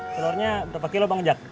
telurnya berapa kilo bang jak